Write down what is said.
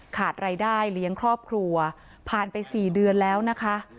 ขาดรายได้เลี้ยงครอบครัวผ่านไป๔เดือนแล้วนะคะ